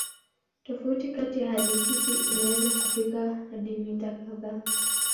Tofauti kati ya hali hizi inaweza kufikia hadi mita kadhaa.